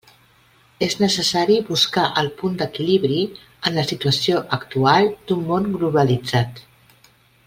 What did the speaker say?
És necessari buscar el punt d'equilibri en la situació actual d'un món globalitzat.